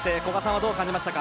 どう感じましたか？